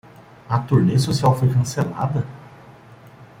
A turnê social foi cancelada?